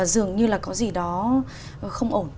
dường như là có gì đó không ổn